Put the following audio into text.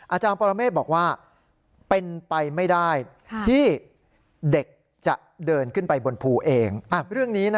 อาจารย์ปรเมฆบอกว่าเป็นไปไม่ได้ที่เด็กจะเดินขึ้นไปบนภูเองเรื่องนี้นะ